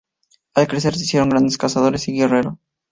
Al crecer se hicieron grandes cazadores y guerreros.